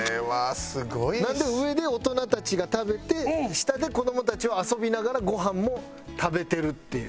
なので上で大人たちが食べて下で子どもたちは遊びながらごはんも食べてるっていう。